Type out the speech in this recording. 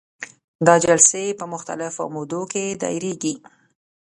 دا جلسې په مختلفو مودو کې دایریږي.